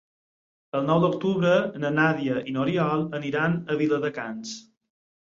El nou d'octubre na Nàdia i n'Oriol aniran a Viladecans.